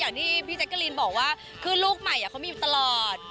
อย่างที่พี่แจ๊กกะรีนบอกว่าคือลูกใหม่เขามีอยู่ตลอด